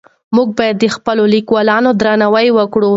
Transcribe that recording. موږ باید د خپلو لیکوالانو درناوی وکړو.